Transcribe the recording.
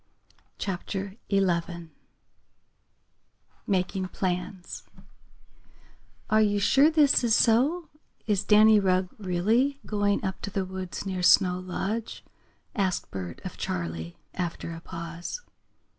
CHAPTER XI MAKING PLANS "Are you sure this is so is Danny Rugg really going up to the woods near Snow Lodge?" asked Bert of Charley, after a pause.